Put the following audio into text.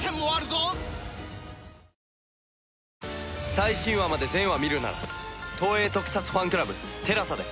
最新話まで全話見るなら東映特撮ファンクラブＴＥＬＡＳＡで。